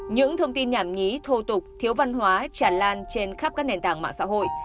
những thông tin nhảm nhí thô tục thiếu văn hóa tràn lan trên khắp các nền tảng mạng xã hội